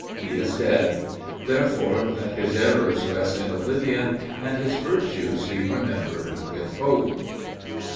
He is dead; therefore let his errors rest in oblivion, and his virtues be remembered with hope.